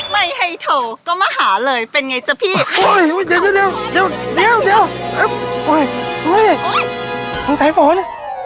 ไม่ให้โทรก็มาหาเลยเป็นไงจ้ะพี่โดยเดี๋ยวเดี๋ยว